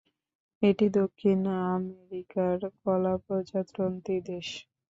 এটি দক্ষিণ আমেরিকার কলা প্রজাতন্ত্রী দেশ।